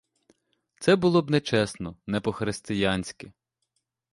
Це було б нечесно, не по-християнськи.